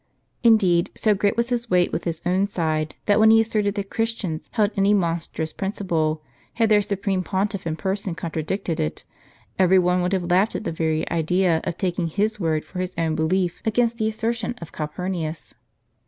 Indeed, so great was his weight with his own side, that when he asserted that Christians held any monstrous principle, had their supreme pontiff in person contradicted it, every one would have laughed at the very idea of taking his word for his own belief, against the asserticm of Calpurnius.